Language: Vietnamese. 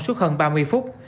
suốt hơn ba mươi phút